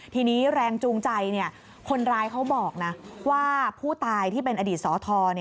ทีนี้แรงจูงใจคนร้ายเขาบอกว่าผู้ตายที่เป็นอดีตสอทร